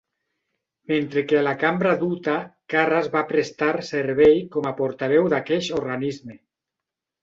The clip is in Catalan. Mentre que a la Cambra de Utah, Karras va prestar servei com a portaveu d'aqueix organisme.